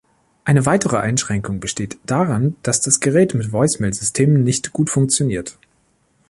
Eine weitere Einschränkung besteht darin, dass das Gerät mit Voicemail-Systemen nicht gut funktioniert.